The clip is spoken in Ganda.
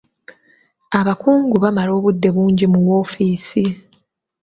Abakungu bamala obudde bungi mu woofiisi.